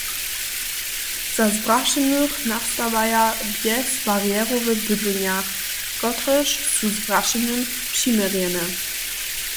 Za zbrašenych nastawaja bjezbarjerowe bydlenja, kotrež su zbrašenym přiměrjene.